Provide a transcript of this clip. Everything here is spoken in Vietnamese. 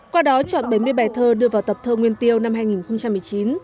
qua đó chọn bảy mươi bài thơ đưa vào tập thơ nguyên tiêu năm hai nghìn một mươi chín